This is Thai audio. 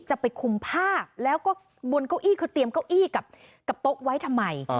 จะไปคุมผ้าแล้วก็บนเก้าอี้คือเตรียมเก้าอี้กับโต๊ะไว้ทำไม